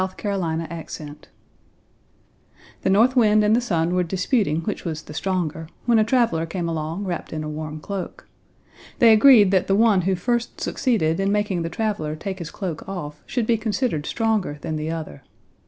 Orthographic version The North Wind and the Sun were disputing which was the stronger, when a traveler came along wrapped in a warm cloak. They agreed that the one who first succeeded in making the traveler take his cloak off should be considered stronger than the other.